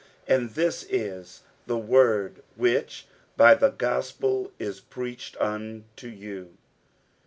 And this is the word which by the gospel is preached unto you.